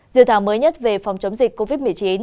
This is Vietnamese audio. dự thảo mới nhất về phòng chống dịch covid một mươi chín